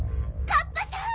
カッパさん！